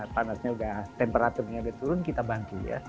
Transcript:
panasnya sudah temperaturnya sudah turun kita bangkit